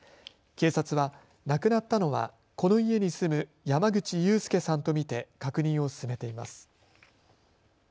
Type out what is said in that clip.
警察は亡くなったのはこの家に住む山口雄右さんと見て確認を進めています。